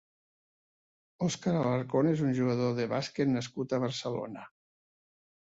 Oscar Alarcón és un jugador de bàsquet nascut a Barcelona.